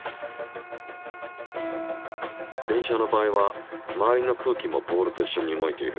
電車の場合は周りの空気もボールといっしょに動いている。